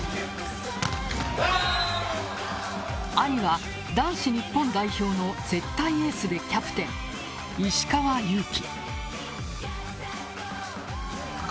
兄は男子日本代表の絶対エースでキャプテン、石川祐希。